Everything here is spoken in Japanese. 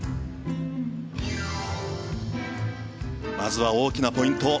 まずは大きなポイント。